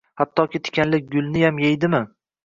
Hatto tikanli gulniyam yeydimi?